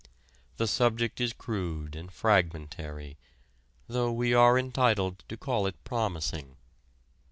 The subject is crude and fragmentary, though we are entitled to call it promising.